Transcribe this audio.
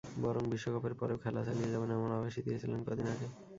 বরং বিশ্বকাপের পরেও খেলা চালিয়ে যাবেন, এমন আভাসই দিয়েছিলেন কদিন আগে।